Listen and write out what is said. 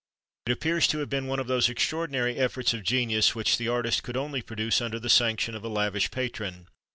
It appears to have been one of those extraordinary efforts of genius which the artist could only produce under the sanction of a lavish patron.